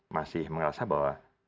masih merasa bahwa